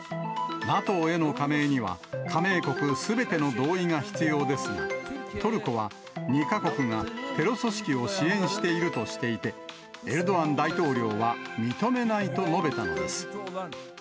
ＮＡＴＯへの加盟には、加盟国すべての同意が必要ですが、トルコは２か国がテロ組織を支援しているとしていて、エルドアン大統領は認めないと述べたのです。